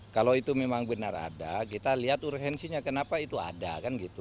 kalau itu memang benar ada kita lihat urgensinya kenapa itu ada kan gitu